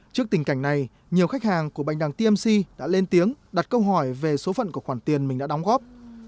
trước tình cảnh này nhiều khách hàng của bạch đằng tmc đã lên tiếng đặt câu hỏi về số phận của khoản tiền mình đã đóng góp